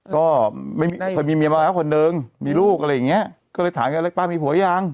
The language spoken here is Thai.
ก็ไม่ใช่ครับเงี่ยมีเบาคนเดิมมีลูกอ่ะเร็งไงก็เลยถามแต่ป่ามีผัวยาง